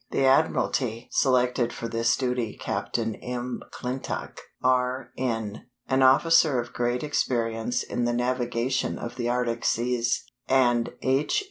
The Admiralty selected for this duty Captain M'Clintock, R. N., an officer of great experience in the navigation of the Arctic seas, and H.